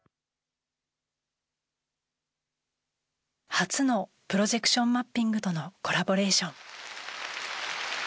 初のプロジェクションマッピングとのコラボレーション。